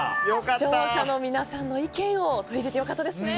視聴者の皆さんの意見を取り入れて良かったですね。